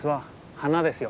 花ですよ。